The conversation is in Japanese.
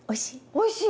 おいしい！